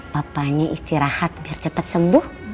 papanya istirahat biar cepat sembuh